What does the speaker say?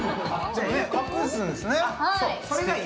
隠すんですね。